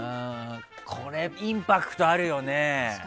これ、インパクトあるよね。